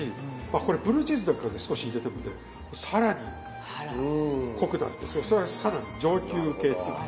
これブルーチーズなんかね少し入れてもね更に濃くなってそれは更に上級系っていうか。